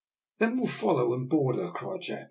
"Then we'll follow and board her," cried Jack.